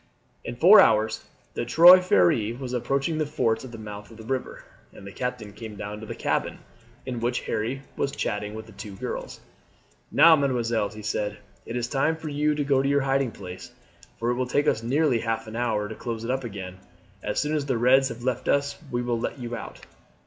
In four hours the Trois Freres was approaching the forts at the mouth of the river, and the captain came down to the cabin, in which Harry was chatting with the two girls. "Now, mesdemoiselles," he said, "it is time for you to go to your hiding place, for it will take us nearly half an hour to close it up again. As soon as the Reds have left us we will let you out."